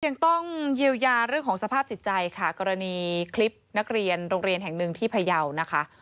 ยังต้องเยียวยาเรื่องของสภาพจิตใจค่ะกรณีคลิปนักเรียนโรงเรียนแห่งหนึ่งที่พยาวนะคะ